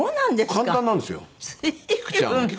簡単なんですよ。